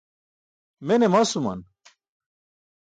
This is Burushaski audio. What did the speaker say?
Mene masuman?